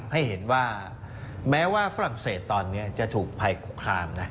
ให้เห็นว่าแม้ว่าฝรั่งเศสตอนนี้จะถูกภัยคุกคามนะ